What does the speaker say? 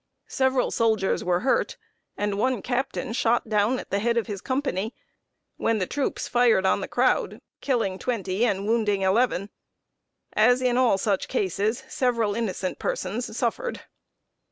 Several soldiers were hurt, and one captain shot down at the head of his company, when the troops fired on the crowd, killing twenty and wounding eleven. As in all such cases, several innocent persons suffered.